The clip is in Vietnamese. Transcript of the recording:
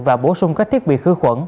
và bổ sung các thiết bị khứ khuẩn